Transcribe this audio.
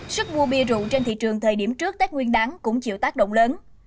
sức mua bia rượu trên thị trường thời điểm trước tết nguyên đáng cũng chịu tác động lớn